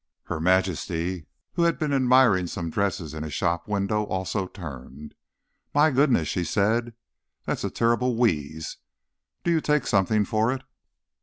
Her Majesty, who had been admiring some dresses in a shop window, also turned. "My goodness," she said. "That's a terrible wheeze. Do you take something for it?"